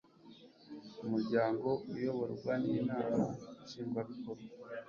umuryango uyoborwa n inama nshingwabikorwa